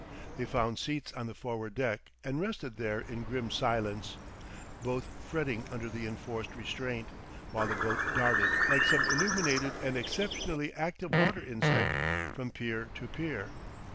They found seats on the forward deck and rested there in grim silence, both fretting under the enforced restraint, while the boat darted, like some illuminated and exceptionally active water insect, from pier to pier.